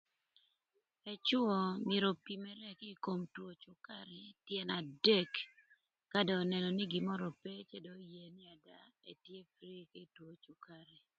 Ëcwö myero opimere kï kom two cükarï tyën adek ka do önënö nï gin mörö ope cë dong